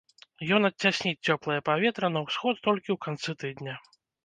Ён адцясніць цёплае паветра на ўсход толькі ў канцы тыдня.